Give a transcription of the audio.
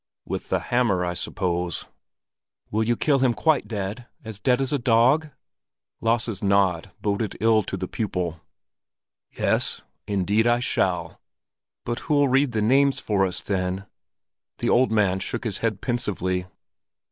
"With the hammer, I suppose." "Will you kill him quite dead, as dead as a dog?" Lasse's nod boded ill to the pupil. "Yes, indeed I shall!" "But who'll read the names for us then?" The old man shook his head pensively.